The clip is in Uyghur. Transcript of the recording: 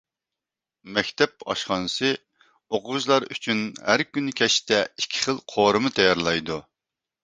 مەكتەپ ئاشخانىسى ئوقۇغۇچىلار ئۈچۈن ھەر كۈنى كەچتە ئىككى خىل قورۇما تەييارلايدۇ.